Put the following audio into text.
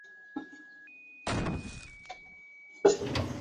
柔毛冠盖藤为虎耳草科冠盖藤属下的一个变种。